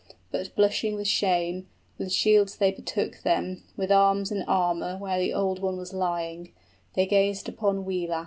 } But blushing with shame, with shields they betook them, With arms and armor where the old one was lying: 30 They gazed upon Wiglaf.